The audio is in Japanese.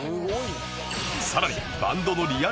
さらに